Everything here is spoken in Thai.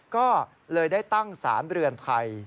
ก็เลยได้ตั้งสารเรือนไทย